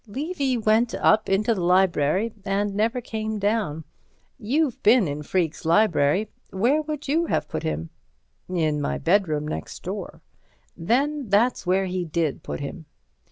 "Levy went up into the library and never came down. You've been in Freke's library. Where would you have put him?" "In my bedroom next door." "Then that's where he did put him."